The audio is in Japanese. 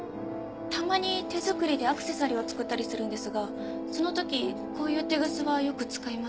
たまに手作りでアクセサリーを作ったりするんですがその時こういうテグスはよく使います。